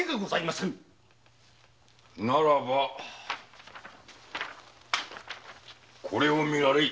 ならばこれを見られい。